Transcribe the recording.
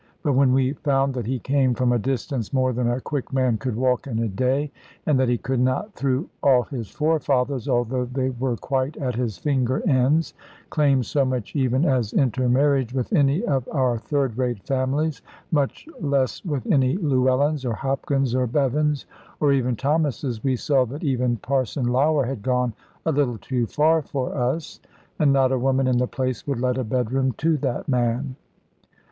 But when we found that he came from a distance more than a quick man could walk in a day, and that he could not through all his forefathers (although they were quite at his finger ends) claim so much even as intermarriage with any of our third rate families, much less with any Llewellyns, or Hopkins, or Bevans, or even Thomases, we saw that even Parson Lougher had gone a little too far for us, and not a woman in the place would let a bedroom to that man.